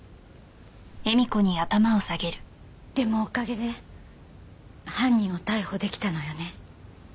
でもおかげで犯人を逮捕出来たのよね。